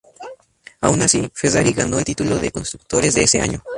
Aun así, Ferrari ganó el título de constructores de ese año.